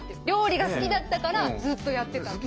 料理が好きだったからずっとやってた。